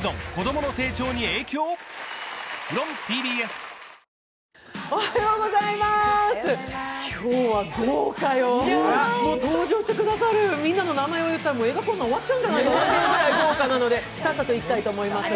もう登場してくださるみんなの名前を言ったらもう映画コーナー終わっちゃうんじゃないかぐらい豪華なのでさっさといきたいと思います。